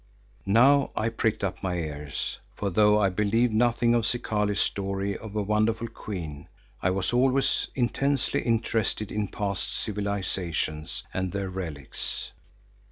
Now I pricked up my ears, for though I believed nothing of Zikali's story of a wonderful Queen, I was always intensely interested in past civilisations and their relics.